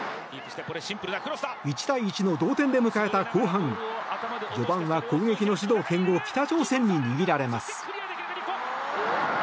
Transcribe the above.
１対１の同点で迎えた後半序盤は攻撃の主導権を北朝鮮に握られます。